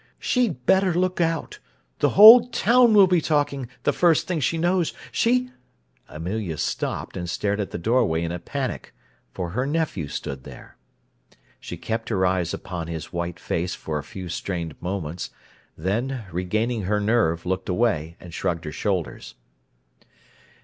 She'd better look out! The whole town will be talking, the first thing she knows! She—" Amelia stopped, and stared at the doorway in a panic, for her nephew stood there. She kept her eyes upon his white face for a few strained moments, then, regaining her nerve, looked away and shrugged her shoulders.